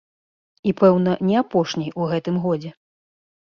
І, пэўна, не апошняй у гэтым годзе.